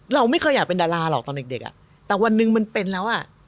เราไม่เคยอยากเป็นดาราหรอกตอนเด็กอ่ะแต่วันหนึ่งมันเป็นแล้วอ่ะ